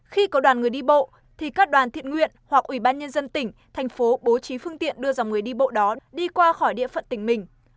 khi có đoàn người đi bộ thì các đoàn thiện nguyện hoặc ủy ban nhân dân tỉnh thành phố bố trí phương tiện đưa dòng người đi bộ đó đi qua khỏi địa phận tỉnh mình